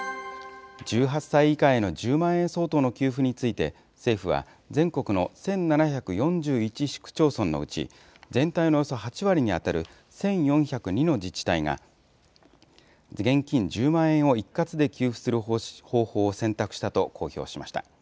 １８歳以下への１０万円相当の給付について、政府は全国の１７４１市区町村のうち、全体のおよそ８割に当たる、１４０２の自治体が、現金１０万円を一括で給付する方法を選択したと公表しました。